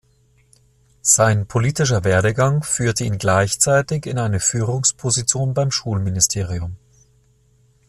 Sein politischer Werdegang führte ihn gleichzeitig in eine Führungsposition beim Schulministerium.